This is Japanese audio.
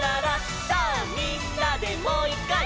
「さぁみんなでもういっかい」